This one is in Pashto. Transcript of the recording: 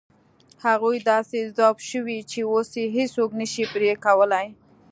هغوی داسې ذوب شوي چې اوس یې هېڅوک نه شي پرې کولای.